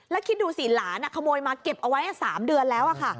แล้วคิดดูสิหลานขโมยมาเก็บเอาไว้๓เดือนแล้วค่ะ